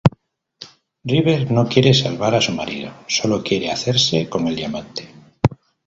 River no quiere salvar a su marido, solo quiere hacerse con el diamante.